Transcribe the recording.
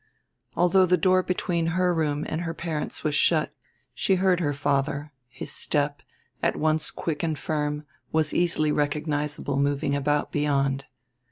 Although the door between her room and her parents' was shut, she heard her father his step, at once quick and firm, was easily recognizable moving about beyond.